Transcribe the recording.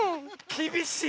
きびしい！